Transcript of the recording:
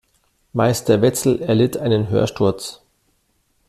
Meister Wetzel erlitt einen Hörsturz.